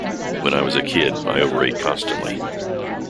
When I was a kid, I overate constantly.